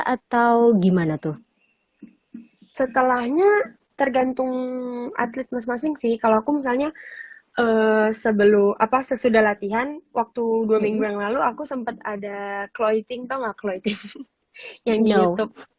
atau gimana tuh setelahnya tergantung atlet masing masing sih kalau aku misalnya sebelum apa sesudah latihan waktu dua minggu yang lalu aku sempet ada cloiting tuh gak cloeting nyanyi youtube